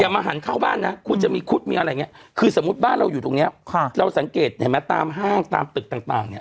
มาหันเข้าบ้านนะคุณจะมีคุดมีอะไรอย่างนี้คือสมมุติบ้านเราอยู่ตรงเนี้ยค่ะเราสังเกตเห็นไหมตามห้างตามตึกต่างเนี่ย